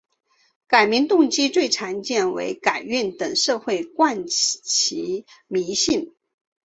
改名动机最常见为改运等社会惯习迷信。